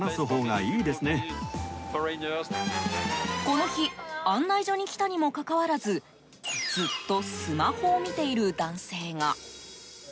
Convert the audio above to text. この日案内所に来たにもかかわらずずっとスマホを見ている男性が。